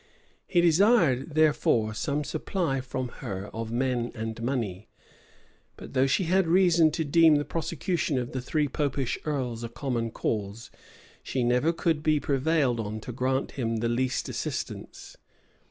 He desired, therefore, some supply from her of men and money; but though she had reason to deem the prosecution of the three Popish earls a common cause, she never could be prevailed on to grant him the least assistance.